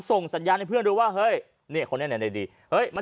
ส่งสัญญาณให้เพื่อนดูว่าเฮ้ยเนี่ยคนนี้เนี่ยดีเฮ้ยมัน